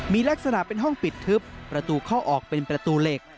มีลักษณะเป็นห้องปิดทึบประตูเข้าออกเป็นประตูเหล็ก